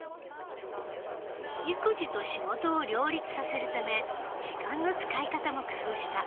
育児と仕事を両立させるため時間の使い方も工夫した。